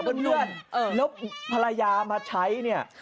แล้วภรรยามาใช้นี่